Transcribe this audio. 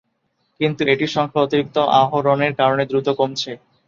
কিন্তু এটির সংখ্যা অতিরিক্ত আহরণের কারণে দ্রুত কমছে।